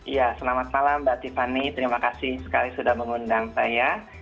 ya selamat malam mbak tiffany terima kasih sekali sudah mengundang saya